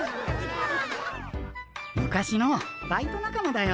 昔のバイト仲間だよ。